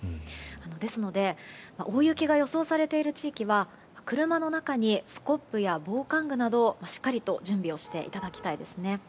ですので大雪が予想されている地域は車の中にスコップや防寒具などしっかりと準備をしていただきたいですね。